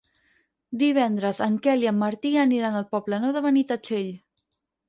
Divendres en Quel i en Martí aniran al Poble Nou de Benitatxell.